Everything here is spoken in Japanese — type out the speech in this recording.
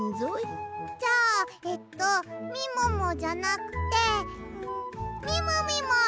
じゃあえっとみももじゃなくてみもみも！